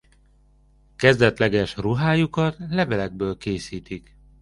Kezdetleges ruhájukat levelekből készítik.